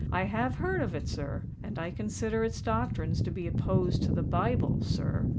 "I have heard of it, sir—and I consider its doctrines to be opposed to the Bible, sir.